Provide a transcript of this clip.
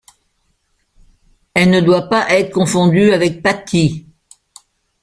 Elle ne doit pas être confondue avec Patty.